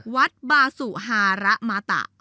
วัดบาสุฮาระมาตะ